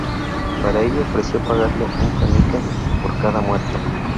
Para ello ofreció pagarle un penique por cada muerto.